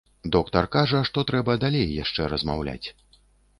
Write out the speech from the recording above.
Доктар кажа, што трэба далей яшчэ размаўляць.